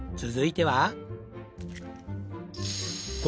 続いては。